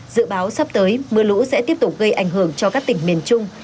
dự báo sắp tới mưa lũ sẽ tiếp tục gây ảnh hưởng cho các tỉnh miền trung